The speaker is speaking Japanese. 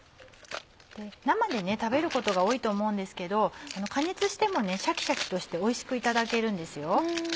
生で食べることが多いと思うんですけど加熱してもシャキシャキとしておいしくいただけるんですよ。